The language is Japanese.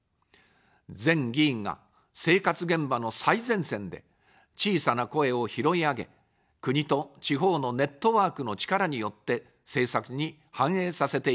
全議員が、生活現場の最前線で小さな声を拾い上げ、国と地方のネットワークの力によって政策に反映させていく。